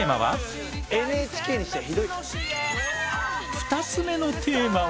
２つ目のテーマは。